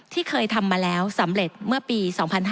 ที่เคยทำมาแล้วสำเร็จเมื่อปี๒๕๕๙